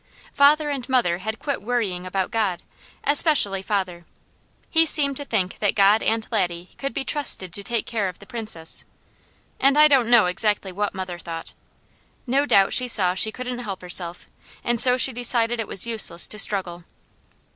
Father and mother had quit worrying about God; especially father. He seemed to think that God and Laddie could be trusted to take care of the Princess, and I don't know exactly what mother thought. No doubt she saw she couldn't help herself, and so she decided it was useless to struggle.